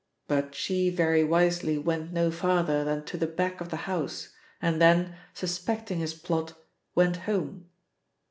But she very wisely went no farther than to the back of the house and then, suspecting his plot, went home.